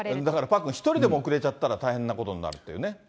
だからパックン、一人でも遅れちゃったら大変なことになるっていうね。